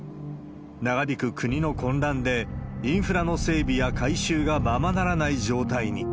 長引く国の混乱で、インフラの整備や改修がままならない状態に。